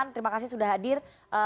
terima kasih sudah hadir